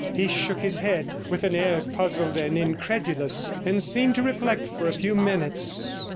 He shook his head with an air puzzled and incredulous, and seemed to reflect for a few minutes.